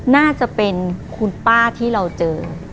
น่าจะเป็นคุณป้าที่เราเจอ